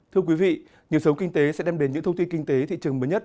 thưa quý vị nhiều sống kinh tế sẽ đem đến những thông tin kinh tế thị trường mới nhất